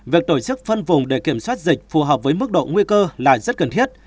việc tổ chức phân vùng để kiểm soát dịch phù hợp với mức độ nguy cơ là rất cần thiết